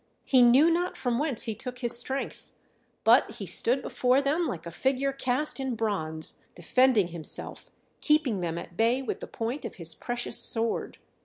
He knew not from whence he took his strength; but he stood before them like a figure cast in bronze, defending himself, keeping them at bay with the point of his precious sword.